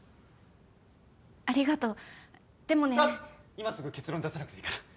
今すぐ結論出さなくていいから。